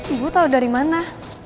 ibu tahu dari mana